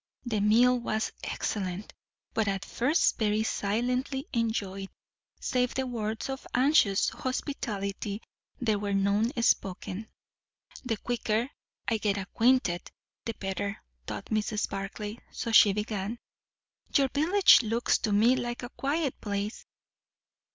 The meal was excellent; but at first very silently enjoyed. Save the words of anxious hospitality, there were none spoken. The quicker I get acquain'ted, the better, thought Mrs. Barclay. So she began. "Your village looks to me like a quiet place."